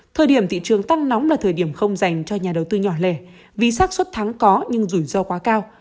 thời điểm thị trường tăng nóng là thời điểm không dành cho nhà đầu tư nhỏ lề vì sắc suất thắng có nhưng rủi ro quá cao